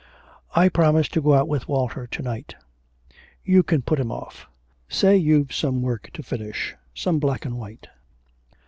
'I promised to go out with Walter to night.' 'You can put him off. Say that you've some work to finish some black and white.'